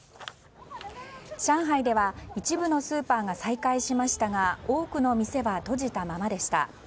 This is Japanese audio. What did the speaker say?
上海では一部のスーパーが再開しましたが多くの店は閉じたままでした。